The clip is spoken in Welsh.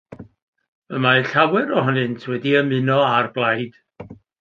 Y mae llawer ohonynt wedi ymuno â'r blaid.